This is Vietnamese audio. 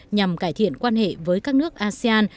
nhằm cải thiện quan hệ với các nước asean